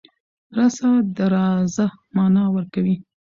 رڅه .د راځه معنی ورکوی